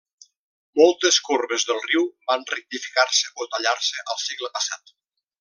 Moltes corbes del riu van rectificar-se o tallar-se al segle passat.